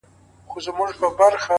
د شمعي جنازې ته پروانې دي چي راځي!